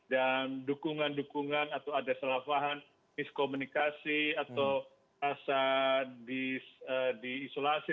dan dukungan dukungan atau ada salah faham miskomunikasi atau asal di isolasi dan lain lain